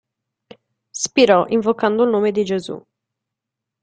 Spirò invocando il nome di Gesù.